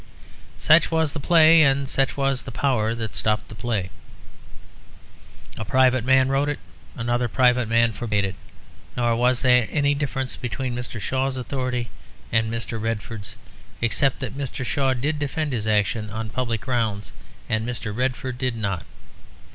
Such was the play; and such was the power that stopped the play. A private man wrote it; another private man forbade it; nor was there any difference between Mr. Shaw's authority and Mr. Redford's, except that Mr. Shaw did defend his action on public grounds and Mr. Redford did not.